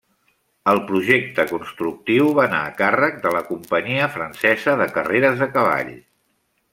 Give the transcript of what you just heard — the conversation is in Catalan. El projecte constructiu va anar a càrrec de la Companyia Francesa de Carreres de Cavalls.